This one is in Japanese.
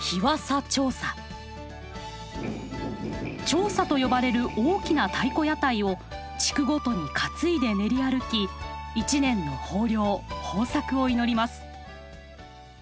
ちょうさと呼ばれる大きな太鼓屋台を地区ごとに担いで練り歩き一年の豊漁豊作を祈ります。